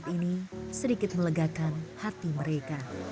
pembelian singkat ini sedikit melegakan hati mereka